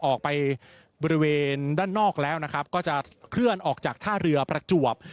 ออกไปบริเวณด้านนอกแล้วนะครับก็จะเคลื่อนออกจากท่าเรือประจวบ